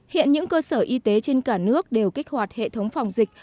hiện những cơ sở y tế trên cả nước đều kích hoạt hệ thống phòng dịch